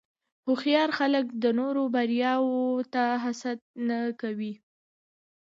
هوښیار خلک د نورو بریاوو ته حسد نه کوي.